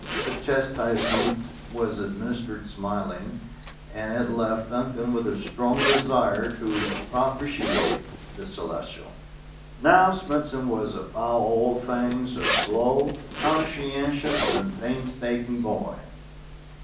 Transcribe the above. The chas tisement was administered smiling, and it left Duncan with a strong desire to propitiate the Celestial. Now, Smithson was above all things a slow, con scientious, and painstaking boy.